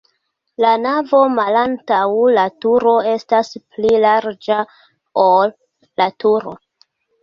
La navo malantaŭ la turo estas pli larĝa, ol la turo.